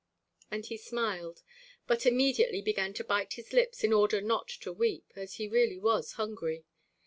And he smiled, but immediately began to bite his lips in order not to weep, as he really was hungry.